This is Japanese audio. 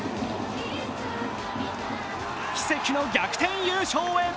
奇跡の逆転優勝へ。